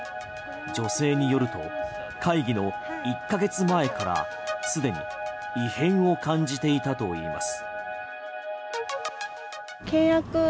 女性によると会議の１ヶ月前から既に異変を感じていたといいます。